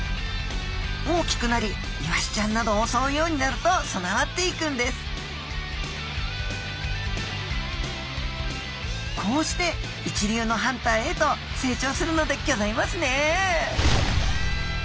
大きくなりイワシちゃんなどをおそうようになると備わっていくんですこうして一流のハンターへと成長するのでギョざいますね！